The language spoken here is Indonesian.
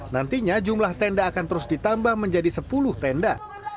nantinya jumlah tenda akan terus ditambah menjadi sepuluh tenda